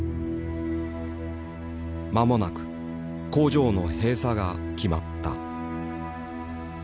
まもなく工場の閉鎖が決まった。